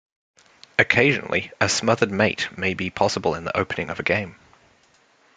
Occasionally, a smothered mate may be possible in the opening of a game.